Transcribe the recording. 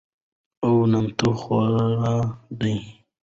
او نامتو خواړه دي،